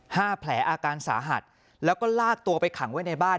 แผลอาการสาหัสแล้วก็ลากตัวไปขังไว้ในบ้าน